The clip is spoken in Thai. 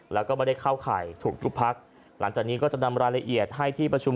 แล้วก็ไม่ได้เข้าข่ายถูกทุกพักหลังจากนี้ก็จะนำรายละเอียดให้ที่ประชุม